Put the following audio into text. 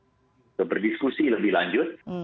jadi kita harus berdiskusi lebih lanjut